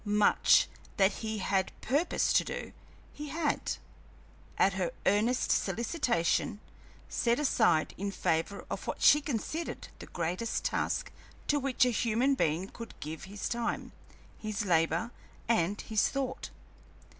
Much that he had purposed to do, he had, at her earnest solicitation, set aside in favor of what she considered the greatest task to which a human being could give his time, his labor, and his thought.